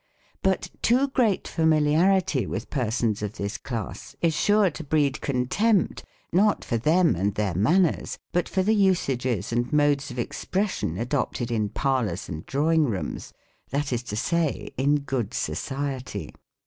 But too great familiar ity with persons of this class is sure to breed contempt, not for them and their manners, but for the usages and modes of expression adopted in parlors and drawing rooms, that is to say, in good society.